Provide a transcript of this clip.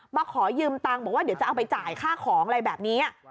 ขอยืมตังค์บอกว่าเดี๋ยวจะเอาไปจ่ายค่าของอะไรแบบนี้